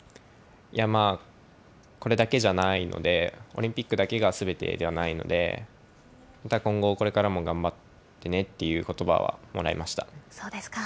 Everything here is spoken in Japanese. これだけじゃないので、オリンピックだけがすべてではないので、また今後、これからも頑張ってねっていうことばはもらいました。